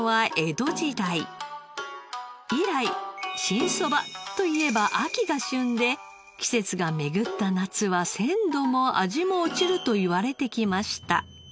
以来「新そば」といえば秋が旬で季節が巡った夏は鮮度も味も落ちるといわれてきました。